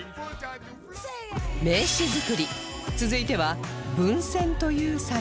名刺作り続いては文選という作業